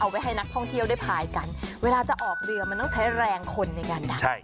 ไว้ให้นักท่องเที่ยวได้พายกันเวลาจะออกเรือมันต้องใช้แรงคนในการดัก